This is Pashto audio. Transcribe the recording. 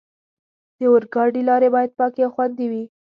د اورګاډي لارې باید پاکې او خوندي وي.